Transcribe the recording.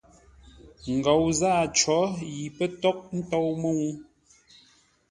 Ngou zâa có yi pə́ tághʼ tôu mə́u.